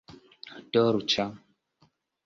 dolĉa